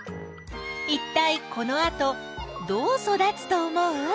いったいこのあとどうそだつと思う？